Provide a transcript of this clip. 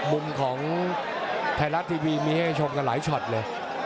มุมของไทยฤทธิวีมีให้กระทำกันหลายช็อตเลย